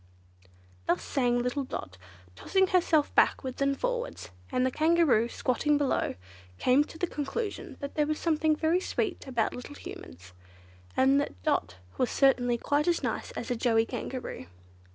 Thus sang little Dot, tossing herself backwards and forwards, and the Kangaroo, squatting below, came to the conclusion that there was something very sweet about little Humans, and that Dot was certainly quite as nice as a Joey Kangaroo.